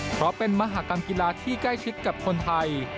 เพราะเป็นมหากรรมกีฬาที่ใกล้ชิดกับคนไทย